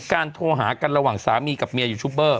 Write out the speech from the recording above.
โทรหากันระหว่างสามีกับเมียยูทูบเบอร์